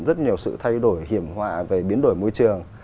rất nhiều sự thay đổi hiểm họa về biến đổi môi trường